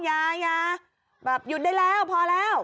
ยายาแบบหยุดได้แล้วพอแล้ว